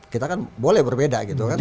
kita kan boleh berbeda gitu kan